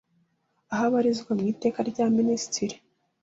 aho abarizwa mu iteka rya Minisitiri